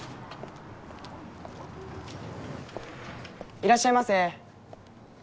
いらっしゃいませ。